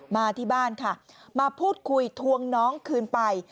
มาที่บ้านค่ะมาพูดคุยทวงน้องคืนไป